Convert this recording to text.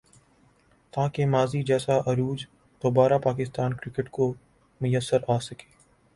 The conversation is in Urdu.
تاکہ ماضی جیسا عروج دوبارہ پاکستان کرکٹ کو میسر آ سکے ۔